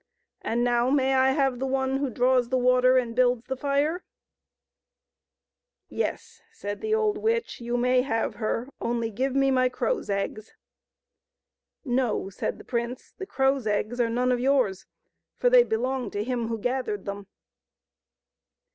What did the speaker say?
And now may I have the one who draws the water and builds the fire ?"" Yes," said the old witch, " you may have her ; only give me my crow's eggs." " No," said the prince, " the crow's eggs are none of yours, for they belong to him who gathered them."